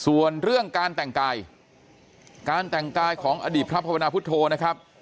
ส่วนเรื่องการแต่งกายการแต่งกายของอดีตพระภาวนาพุทธโธนะครับ